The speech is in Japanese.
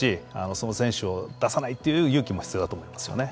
その選手を出さないという勇気も必要だと思いますよね。